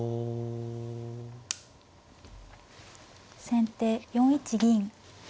先手４一銀。